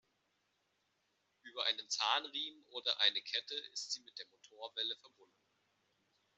Über einen Zahnriemen oder eine Kette ist sie mit der Motorwelle verbunden.